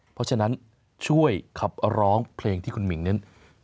เพราะฉะนั้นช่วยขับร้องเพลงที่คุณหมิ่งเน้น